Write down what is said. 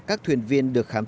các thuyền viên được khám sát